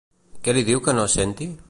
Què li diu que no senti?